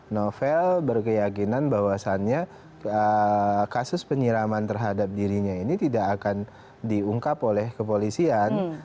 novel berkeyakinan bahwasannya kasus penyiraman terhadap dirinya ini tidak akan diungkap oleh kepolisian